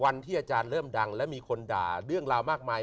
วันที่อาจารย์เริ่มดังแล้วมีคนด่าเรื่องราวมากมาย